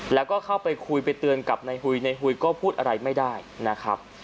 แล้วก็เข้าไปคุยไปเตือนกับนายหุยในหุยก็พูดอะไรไม่ได้นะครับ